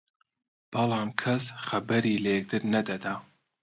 بەڵام کەس خەبەری لە یەکتر نەدەدا